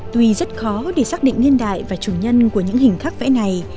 tuy rất khó để xác định niên đại và chủ nhân của những hình khắc vẽ này